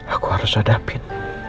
aku harus hadapin